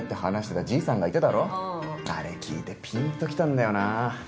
あれ聞いてピンときたんだよなあ。